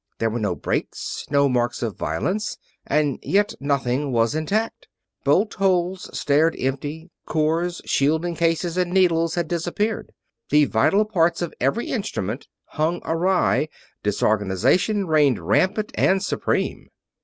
There were no breaks, no marks of violence, and yet nothing was intact. Bolt holes stared empty, cores, shielding cases and needles had disappeared, the vital parts of every instrument hung awry, disorganization reigned rampant and supreme.